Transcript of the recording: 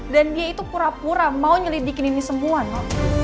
dan dia itu pura pura mau nyelidikin ini semua no